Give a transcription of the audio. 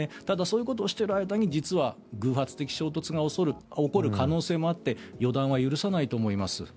ただ、そういうことをしている間に偶発的衝突が起こる可能性があって予断は許さないと思います。